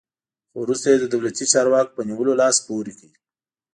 خو وروسته یې د دولتي چارواکو په نیولو لاس پورې کړ.